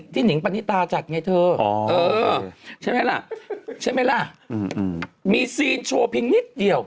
ที่หนิงปณิตาจัดไงเธอใช่ไหมล่ะมีซีนโชว์เพียงนิดเดียว